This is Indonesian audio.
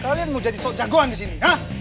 kalian mau jadi sok jagoan disini